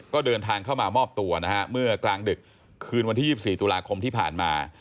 ก็เดินทางเข้ามามอบตัวนะฮะเมื่อกลางดึกคืนวันที่๒๔ตุลาคมที่ผ่านมา